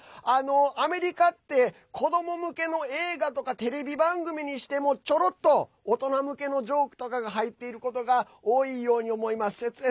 アメリカって子ども向けの映画とかテレビ番組にしてもちょろっと大人向けのジョークとかが入っていることが多いように思います。